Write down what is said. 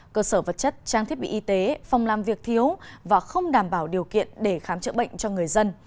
cơ sở vật chất trang thiết bị y tế phòng làm việc thiếu và không đảm bảo điều kiện để khám chữa bệnh cho người dân